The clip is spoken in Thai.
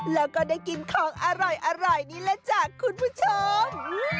แล้วก็ได้กินของอร่อยนี่แหละจ้ะคุณผู้ชม